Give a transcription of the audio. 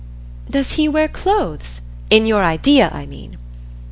"Does He wear clothes in your idea, I mean?"